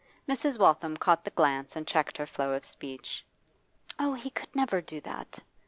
Mrs. Waltham caught the glance and checked her flow of speech. 'Oh, he could never do that!